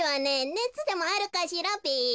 ねつでもあるかしらべ。